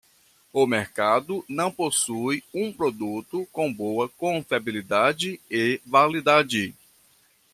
O mercado não possui um produto com boa confiabilidade e validade.